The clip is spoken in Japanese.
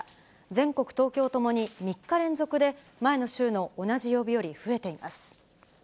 全国、東京ともに３日連続で前の週の同じ曜日より増えています。